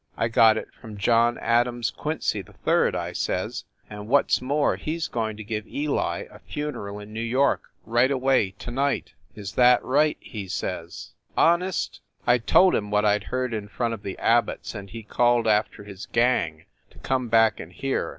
"I got it from John Adams Quincy 3d/ I says "and what s more, he s going to give Eli a funeral in New York right away to night!" "Is that right?" he says; "Honest?" I told him what I d heard in front of the Abbots and he called after his gang to come back and hear.